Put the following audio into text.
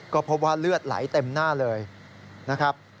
ก็พบว่าเลือดไหลเต็มหน้าเลยนะครับ